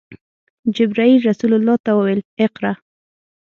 جبرئیل رسول الله ته وویل: “اقرأ!”